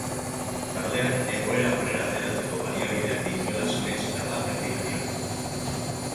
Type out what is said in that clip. Taldeak egoera aurrera ateratzeko baliabideak dituela sinetsita da erdilariak.